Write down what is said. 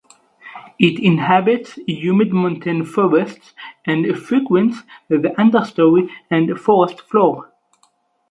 It inhabits humid montane forests and frequents the understory and forest floor.